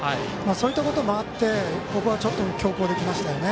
そういったこともあってここは強攻できましたね。